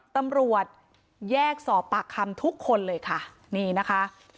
ตำรวจแยกสอบปากคำทุกคนเลยค่ะนี่นะคะ